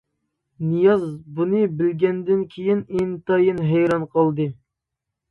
نىياز بۇنى بىلگەندىن كېيىن ئىنتايىن ھەيران قالدى.